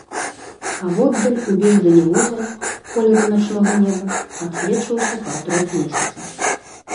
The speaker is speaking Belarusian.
А воддаль у бездані возера, колеру начнога неба, адсвечваўся партрэт месяца.